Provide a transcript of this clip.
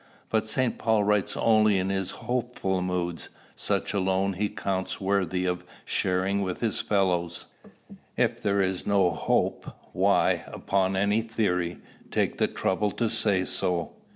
"But St. Paul writes only in his hopeful moods. Such alone he counts worthy of sharing with his fellows. If there is no hope, why, upon any theory, take the trouble to say so?